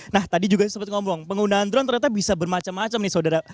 nah tadi juga sempat ngomong penggunaan drone ternyata bisa bermacam macam nih saudara